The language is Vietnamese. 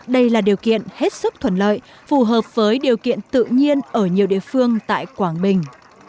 đây là điều kiện hết sức thuận lợi phù hợp với điều kiện tự nhiên ở nhiều địa phương tại quảng bình